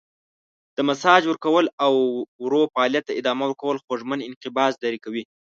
د ماساژ ورکول او ورو فعالیت ته ادامه ورکول خوږمن انقباض لرې کوي.